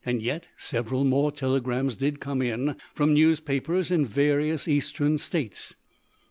Yet several more telegrams did come in, from newspapers in various Eastern states.